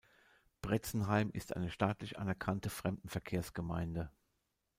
Bretzenheim ist eine staatlich anerkannte Fremdenverkehrsgemeinde.